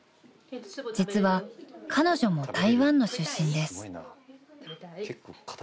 ［実は彼女も台湾の出身です］